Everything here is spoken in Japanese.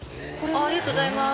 ありがとうございます。